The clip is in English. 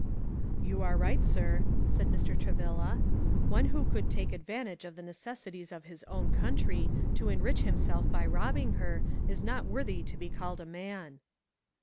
"You are right, sir!" said Mr. Travilla; "one who could take advantage of the necessities of his own country, to enrich himself by robbing her, is not worthy to be called a man."